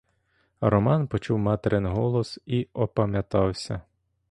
Роман почув материн голос і опам'ятався.